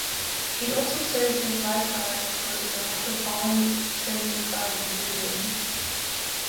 He also served as vicar for the Metropolitan of Vidin.